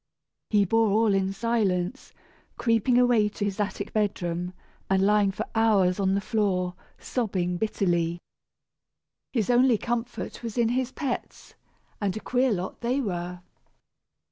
He bore all in silence, creeping away to his attic bedroom, and lying for hours on the floor sobbing bitterly. His only comfort was in his pets, and a queer lot they were.